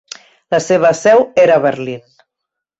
La seva seu era a Berlín.